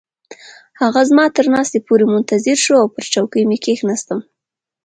هغه زما تر ناستې پورې منتظر شو او پر چوکۍ مې کښیناستم.